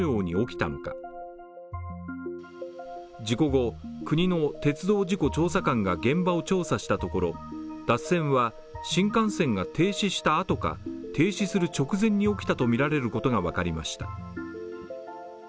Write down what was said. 事故後、国の鉄道事故調査官が現場を調査したところ脱線は、新幹線が停止したあとか停止する直前に起きたとみられることが分かりました。